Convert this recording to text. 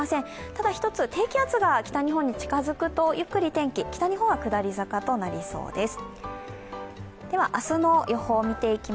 ただ１つ、低気圧が北日本に近づくとゆっくり天気、北日本は下り坂となりそうです。